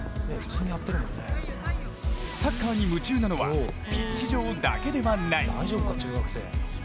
サッカーに夢中なのはピッチ上だけではない。